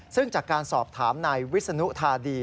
ซึ่งจากการสอบถามนายวิศนุธาดี